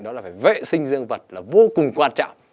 đó là phải vệ sinh dương vật là vô cùng quan trọng